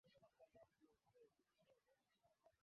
kadhaa ambavyo ni maeneo ya Kimarekani ingawa